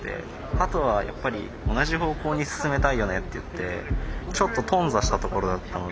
鳩はやっぱり同じ方向に進めたいよねっていってちょっと頓挫したところだったので。